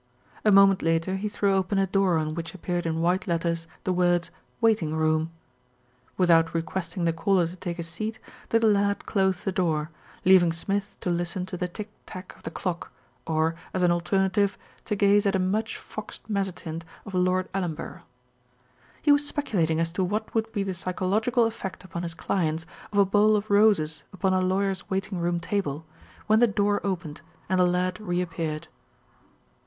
A moment later he threw open a door on which ap peared in white letters the words "Waiting Room." Without requesting the caller to take a seat, the lad closed the door, leaving Smith to listen to the tick tack of the clock, or, as an alternative, to gaze at a much foxed mezzotint of Lord Ellenborough. He was speculating as to what would be the psycho logical effect upon his clients of a bowl of roses upon a lawyer's waiting room table, when the door opened, and the lad reappeared.